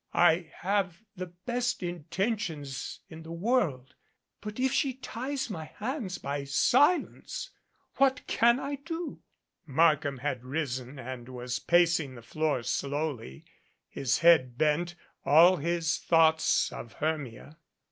I have the best intentions in the world, but if she ties my hands by silence what can I do?" Markham had risen and was pacing the floor slowly, his head bent, all his thoughts of Hermia.